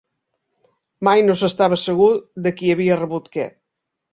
Mai no s'estava segur de qui havia rebut què